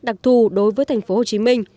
đặc thù đối với tp hcm